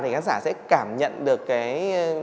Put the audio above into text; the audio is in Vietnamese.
thì khán giả sẽ cảm nhận được cái